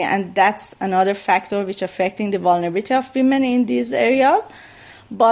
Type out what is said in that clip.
dan itu adalah faktor lain yang mengakui kelelahan perempuan di area ini